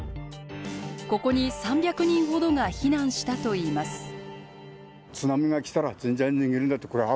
ここに３００人ほどが避難したといいます。